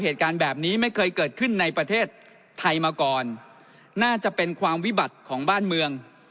เหตุการณ์แบบนี้ไม่เคยเกิดขึ้นในประเทศไทยมาก่อนน่าจะเป็นความวิบัติของบ้านเมือง